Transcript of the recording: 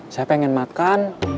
saya pengen makan